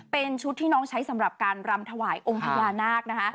เป็นชุดที่น้องใช้สำหรับการรำถวายองค์พญานาคนะคะ